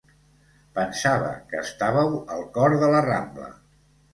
Pensava que estàveu al cor de la Rambla.